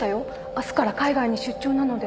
明日から海外に出張なので。